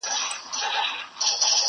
انسانان لا هم زده کوي تل،